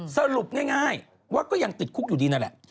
สรุปง่ายว่าก็ยังติดคุกอยู่ดีนั่นแหละ